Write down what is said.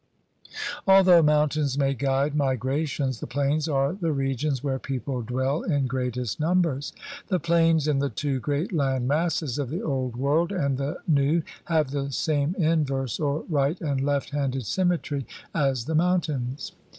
Although mountains may guide migrations, the plains are the regions where people dwell in greatest numbers. The plains in the tw^o great land masses of the Old World and the New have the same in verse or right and left handed symmetry as the mountains.